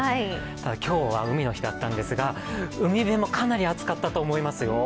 今日は海の日だったんですが海辺もかなり暑かったと思いますよ。